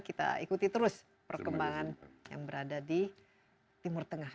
kita ikuti terus perkembangan yang berada di timur tengah